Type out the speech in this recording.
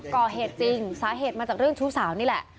ก่อเหตุจริงสาเหตุมาจากเรื่องชู้สาวนี่แหละ